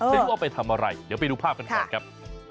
ไม่รู้ว่าไปทำอะไรเดี๋ยวไปดูภาพกันก่อนครับ